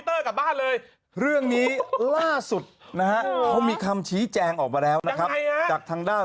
ถ้าคุณนอนอยู่ในห้องนี้คุณเห็นแบบนี้คุณทำอย่างไร